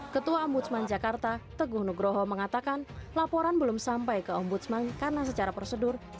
ketua om budsman jakarta teguh nugroho mengatakan laporan belum sampai ke om budsman karena secara prosedurnya